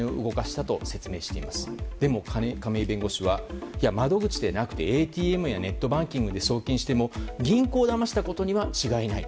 ただ、亀井弁護士は窓口でなくてインターネットやネットバンキングで移動したとしても銀行をだましたことには違いない。